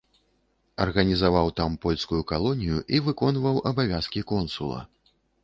Арганізаваў там польскую калонію і выконваў абавязкі консула.